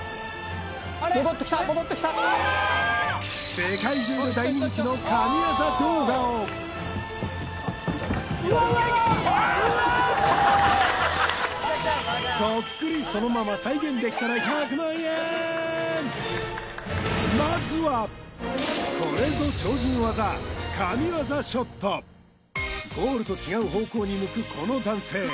世界中で大人気の神業動画をそっくりそのままこれぞ超人技ゴールと違う方向に向くこの男性